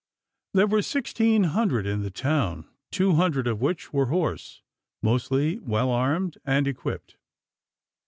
There were sixteen hundred in the town, two hundred of which were horse, mostly well armed and equipped.